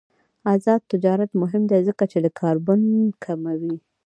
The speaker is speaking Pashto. آزاد تجارت مهم دی ځکه چې د کاربن کموي.